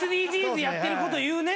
「ＳＤＧｓやってること言うね」